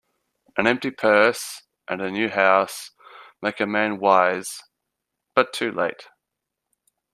An empty purse, and a new house, make a man wise, but too late.